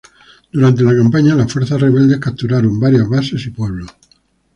Durante la campaña, las fuerzas rebeldes capturaron varias bases y pueblos.